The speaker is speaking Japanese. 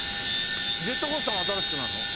ジェットコースターが新しくなるの？